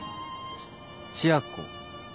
ち千夜子？